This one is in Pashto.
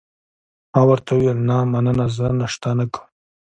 ما ورته وویل: نه، مننه، زه ناشته نه کوم.